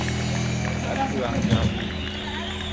Á coo yaŋ jag ɓi.